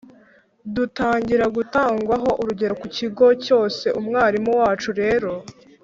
dutangira gutangwaho urugero mu kigo cyose. Umwarimu wacu rero